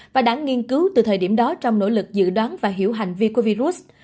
và đã nghiên cứu từ thời điểm đó trong nỗ lực dự đoán và hiểu hành vi của virus